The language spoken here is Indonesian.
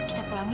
kita pulang yuk